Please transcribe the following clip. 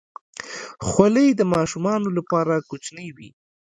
خولۍ د ماشومانو لپاره کوچنۍ وي.